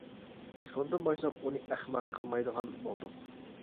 شۇندىن باشلاپ ئۇنى ئەخمەق قىلمايدىغان بولدۇق.